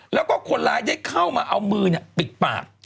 แล้วก็คนร้ายได้เข้ามาเอามือปิดปาก